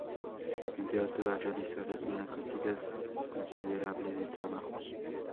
En teatro ha realizado una cantidad considerable de trabajos.